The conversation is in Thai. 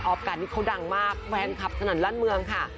ออฟการ์ดที่เขาดังมากแวนคลับสนั่นล่านเมืองค่ะ